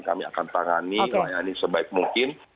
kami akan tangani layani sebaik mungkin